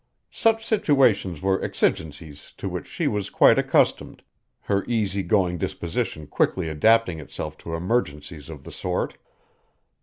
Such situations were exigencies to which she was quite accustomed, her easy going disposition quickly adapting itself to emergencies of the sort.